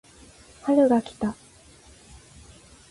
春が来た